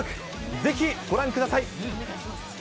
ぜひご覧ください。